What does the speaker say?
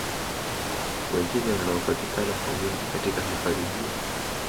wengine wanaopatikana kwa wingi katika hifadhi hii